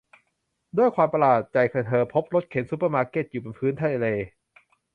ด้วยความประหลาดใจเธอพบรถเข็นซุปเปอร์มาร์เก็ตอยู่บนพื้นทะเล